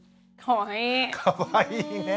かわいいね。